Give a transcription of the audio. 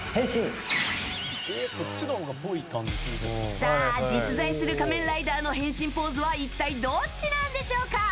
さあ、実在する仮面ライダーの変身ポーズは一体どっちなんでしょうか。